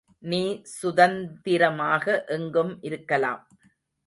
நீ சுதந்திரமாக எங்கும் இருக்கலாம்.